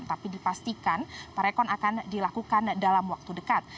tapi dipastikan prarekonstruksi ini akan dilakukan dalam waktu dekat